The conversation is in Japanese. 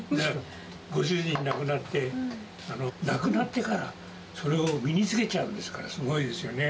ご主人亡くなって、亡くなってから、それを身につけちゃうんですから、すごいですよね。